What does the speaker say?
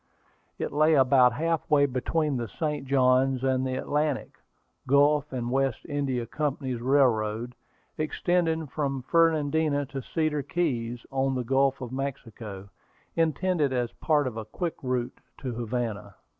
It lay about half way between the St. Johns and the Atlantic, Gulf and West India Company's Railroad, extending from Fernandina to Cedar Keys, on the Gulf of Mexico, intended as part of a quick route to Havana.